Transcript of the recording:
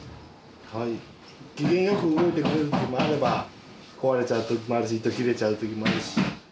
機嫌よく動いてくれることもあれば壊れちゃう時もあるし糸切れちゃう時もあるし。